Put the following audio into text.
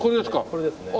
これですね。